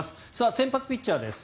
先発ピッチャーです。